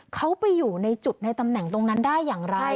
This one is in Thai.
เขาไปอยู่ในจุดในตำแหน่งตรงนั้นได้อย่างไร